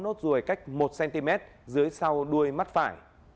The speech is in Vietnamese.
nốt ruồi cách một cm dưới sau đuôi mắt phải